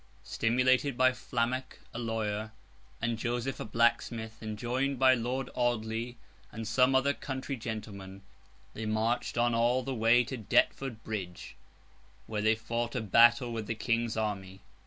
Stimulated by Flammock, a lawyer, and Joseph, a blacksmith, and joined by Lord Audley and some other country gentlemen, they marched on all the way to Deptford Bridge, where they fought a battle with the King's army.